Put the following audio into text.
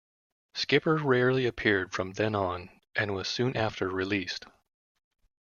Skipper rarely appeared from then on and was soon after released.